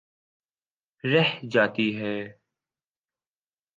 رہ جاتی ہے۔